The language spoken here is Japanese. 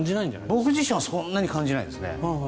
僕自身はそんなに感じないですね。